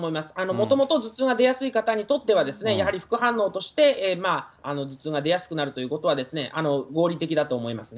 もともと頭痛が出やすい方にとっては、やはり副反応として、頭痛が出やすくなるということは合理的だと思いますね。